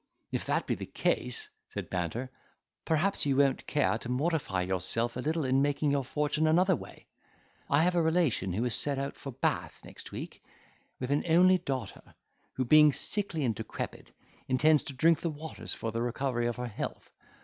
"If that be the case," said Banter, "perhaps you won't care to mortify yourself a little in making your fortune another way. I have a relation who is to set out for Bath next week, with an only daughter, who being sickly and decrepit, intends to drink the waters for the recovery of her health.